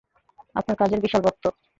আপনার কাজের বিশাল ভক্ত।